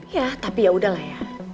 ya tapi yaudah lah ya